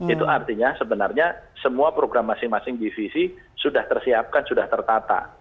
itu artinya sebenarnya semua program masing masing divisi sudah tersiapkan sudah tertata